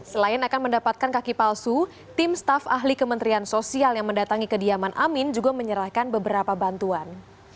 selain akan mendapatkan kaki palsu tim staf ahli kementerian sosial yang mendatangi kediaman amin juga menyerahkan beberapa bantuan